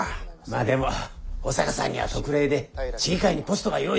まあでも保坂さんには特例で市議会にポストが用意されましたから。